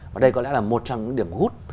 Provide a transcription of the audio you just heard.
và đây có lẽ là một trong những điểm hút